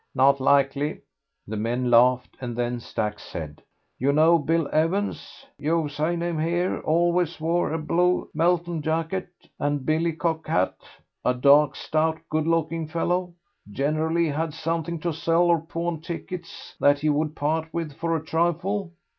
"Not likely." The men laughed, and then Stack said "You know Bill Evans? You've seen him here, always wore a blue Melton jacket and billycock hat; a dark, stout, good looking fellow; generally had something to sell, or pawn tickets that he would part with for a trifle."